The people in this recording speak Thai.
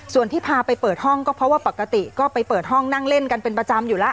ส่วนที่พาไปเปิดห้องก็เพราะว่าปกติก็ไปเปิดห้องนั่งเล่นกันเป็นประจำอยู่แล้ว